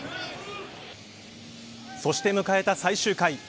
そして迎えた最終回。